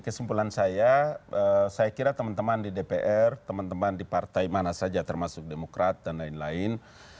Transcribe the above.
kesimpulan saya saya kira teman teman di dpr teman teman di partai mana saja termasuk demokrat dan lain lain